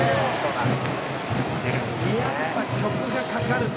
「やっぱ曲がかかると」